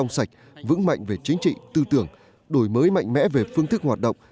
sạch vững mạnh về chính trị tư tưởng đổi mới mạnh mẽ về phương thức hoạt động